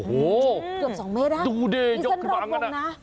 โอ้โหเกือบสองเมตรดูเดยกขึ้นมามีเส้นรอบวงน่ะ